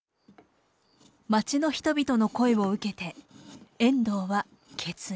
町の人々の声を受けて遠藤は決意。